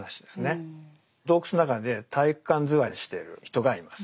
洞窟の中で体育館座りしている人がいます。